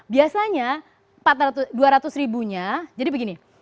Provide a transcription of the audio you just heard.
biasanya rp dua ratus nya jadi begini